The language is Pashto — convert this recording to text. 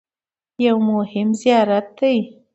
یو مهم زیارت دی.